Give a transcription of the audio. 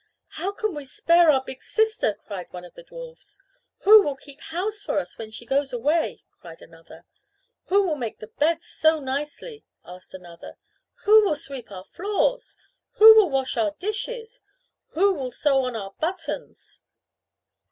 "How can we spare our big sister?" cried one of the dwarfs. "Who will keep house for us when she goes away?" cried another. "Who will make the beds so nicely?" asked another. "Who will sweep our floors?" "Who will wash our dishes?" "Who will sew on our buttons?"